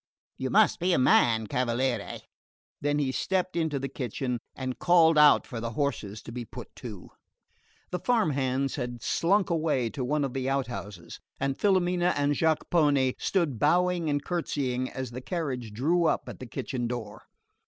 You must be a man, cavaliere." Then he stepped into the kitchen, and called out for the horses to be put to. The farm hands had slunk away to one of the outhouses, and Filomena and Jacopone stood bowing and curtseying as the carriage drew up at the kitchen door.